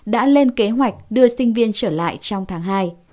đã lên kế hoạch đưa sinh viên trở lại trong tháng hai